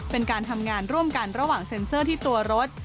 เป็นการทำงานร่วมกันระหว่างเซ็นเซอร์ที่ตัวรถ